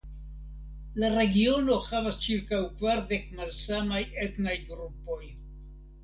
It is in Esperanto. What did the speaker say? La regiono havas ĉirkaŭ kvardek malsamaj etnaj grupoj.